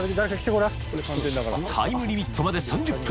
［タイムリミットまで３０分］